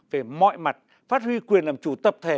về mọi mặt phát huy quyền làm chủ tập thể